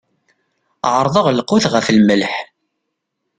Ɛerḍeɣ lqut ɣef lmelḥ.